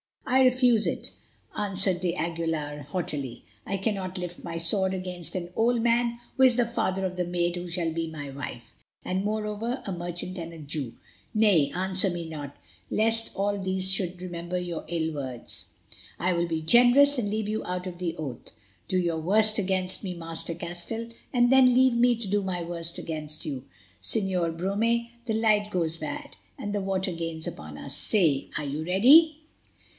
"I refuse it," answered d'Aguilar haughtily. "I cannot lift my sword against an old man who is the father of the maid who shall be my wife, and, moreover, a merchant and a Jew. Nay, answer me not, lest all these should remember your ill words. I will be generous, and leave you out of the oath. Do your worst against me, Master Castell, and then leave me to do my worst against you. Señor Brome, the light grows bad, and the water gains upon us. Say, are you ready?"